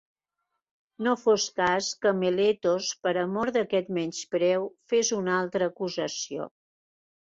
No fos cas que Meletos per amor d'aquest menyspreu, fes una altra acusació